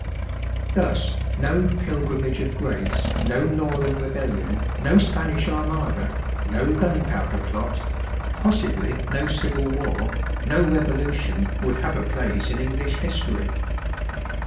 Thus no Pilgrimage of Grace, no Northern fiebcUion, do Spanish Armada, no Gunpowder Plot, posaibly Outr. MAa. Vou CCKV, no Ciiril War, no Revolutiou^ would have a place in English history.